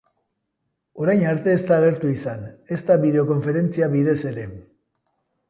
Orain arte, ez da agertu izan, ezta bideokonferentzia bidez ere.